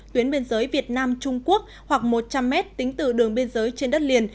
tuyến biên giới việt nam trung quốc hoặc một trăm linh m tính từ đường biên giới trên đất liền